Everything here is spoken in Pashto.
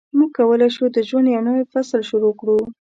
موږ کولای شو د ژوند یو نوی فصل شروع کړو.